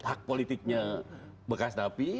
hak politiknya bekas dapi